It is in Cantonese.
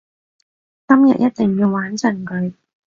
今日一定要玩盡佢